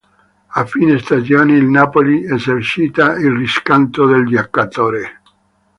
A fine stagione il Napoli esercita il riscatto del giocatore.